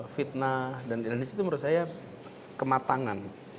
fitnah dan indonesia itu menurut saya kematangan